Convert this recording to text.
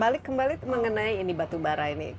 balik kembali mengenai ini batu bara ini